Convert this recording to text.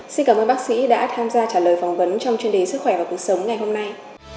xin cảm ơn bác sĩ đã tham gia trả lời phỏng vấn trong chuyên đề sức khỏe và cuộc sống ngày hôm nay